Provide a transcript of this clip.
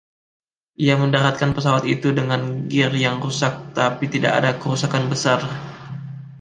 Ia mendaratkan pesawat itu dengan gear yang rusak, tapi tidak ada kerusakan besar.